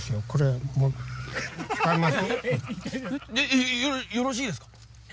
えっよろしいですか？